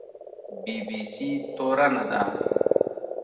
بي بي سي تورنه ده